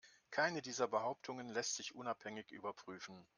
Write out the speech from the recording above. Keine dieser Behauptungen lässt sich unabhängig überprüfen.